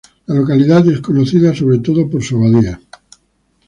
La localidad es conocida sobre todo por su abadía.